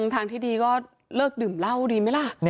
ทางที่ดีก็เลิกดื่มเหล้าดีไหมล่ะ